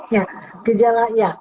ya gejala ya